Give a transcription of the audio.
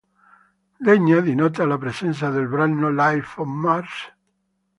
Degna di nota la presenza del brano "Life on Mars?